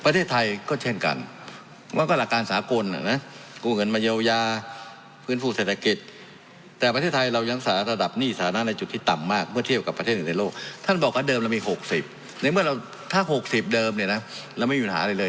ท่านบอกว่าเดิมเรามี๖๐ในเมื่อเราถ้า๖๐เดิมเราไม่มีเป็นอย่างไรเลย